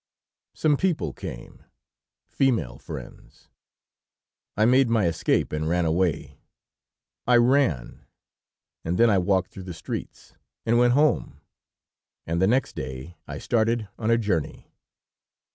Some people came female friends. I made my escape, and ran away; I ran, and then I walked through the streets, and went home, and the next day I started on a journey."